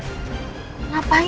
terus kita mau ngapain